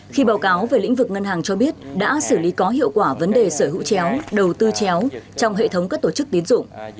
khi báo cáo về lĩnh vực ngân hàng cho biết đã xử lý có hiệu quả vấn đề sở hữu chéo đầu tư chéo trong hệ thống các tổ chức tiến dụng